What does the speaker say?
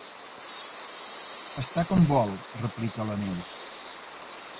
Està com vol —replica la Neus.